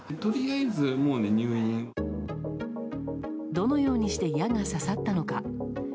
どのようにして矢が刺さったのか。